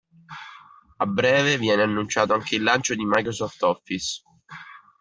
A breve viene annunciato anche il lancio di Microsoft Office.